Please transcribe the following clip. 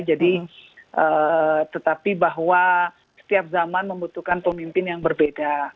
jadi tetapi bahwa setiap zaman membutuhkan pemimpin yang berbeda